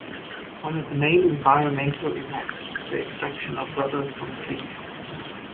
One of the main environmental impacts is the extraction of rubber from trees.